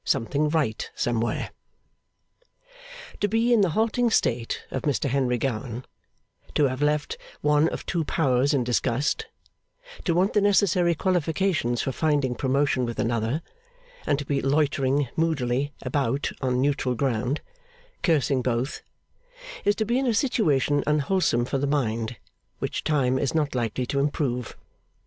Something Right Somewhere To be in the halting state of Mr Henry Gowan; to have left one of two powers in disgust; to want the necessary qualifications for finding promotion with another, and to be loitering moodily about on neutral ground, cursing both; is to be in a situation unwholesome for the mind, which time is not likely to improve.